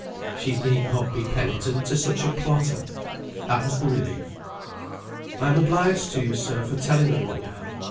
She need not be penitent to such a plotter! That was the relief. "I am obliged to you, sir, for telling me what you have.